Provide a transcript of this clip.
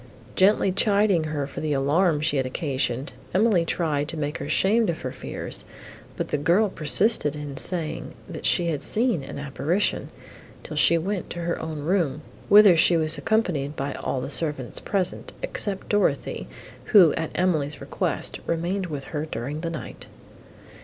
Gently chiding her for the alarm she had occasioned, Emily tried to make her ashamed of her fears; but the girl persisted in saying, that she had seen an apparition, till she went to her own room, whither she was accompanied by all the servants present, except Dorothée, who, at Emily's request, remained with her during the night.